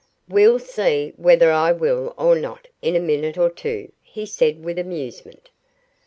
"We'll see whether I will or not in a minute or two," he said with amusement.